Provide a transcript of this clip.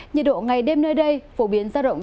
nhiệt độ ngày đêm nơi đây phổ biến ra động